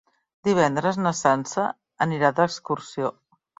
Divendres na Sança anirà d'excursió.